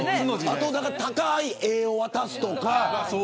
あと、高い絵を渡すとか。